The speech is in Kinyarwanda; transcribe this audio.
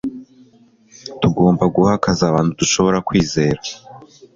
tugomba guha akazi abantu dushobora kwizera